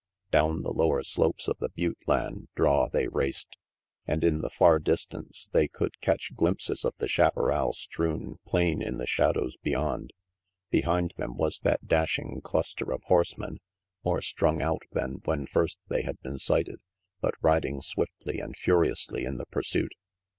Down the lower slopes of the butte land draw they raced, and in the far distance they could catch glimpses of the chaparral strewn plain in the shadows beyond. Behind them was that dashing cluster of 138 RANGY PETE horsemen, more strung out than when first they had been sighted, but riding swiftly and furiously in the pursuit.